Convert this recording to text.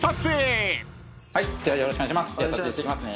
よろしくお願いします。